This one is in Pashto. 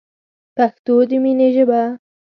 پښتو دی مینی ژبه